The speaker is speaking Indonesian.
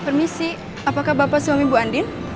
permisi apakah bapak suami ibu andin